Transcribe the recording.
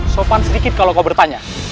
sopan sedikit kalau kau bertanya